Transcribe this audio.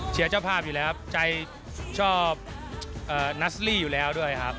เจ้าภาพอยู่แล้วครับใจชอบนัสลี่อยู่แล้วด้วยครับ